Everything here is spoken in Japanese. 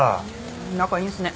仲いいんすね。